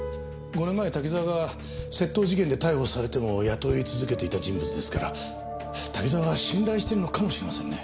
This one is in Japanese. ５年前滝沢が窃盗事件で逮捕されても雇い続けていた人物ですから滝沢は信頼してるのかもしれませんね。